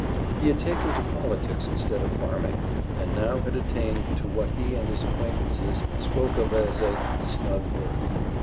He had taken to politics instead of farming, and now had attained to what he and his acquaintances spoke of as a "snug berth."